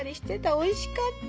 おいしかった。